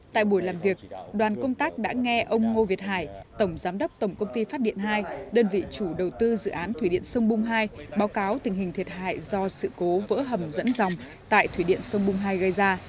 tại buổi làm việc đoàn công tác đã nghe ông ngô việt hải tổng giám đốc tổng công ty phát điện hai đơn vị chủ đầu tư dự án thủy điện sông bung hai báo cáo tình hình thiệt hại do sự cố vỡ hầm dẫn dòng tại thủy điện sông bung hai gây ra